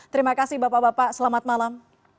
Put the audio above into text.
terima kasih bapak bapak selamat malam